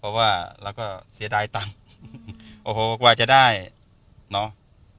เพราะว่าเราก็เสียดายตังค์โอ้โหกว่าจะได้เนาะ